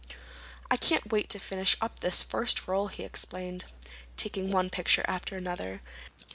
"I can't wait to finish up this first roll," he explained, taking one picture after another.